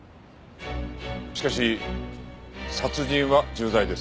しかし殺人は重罪です。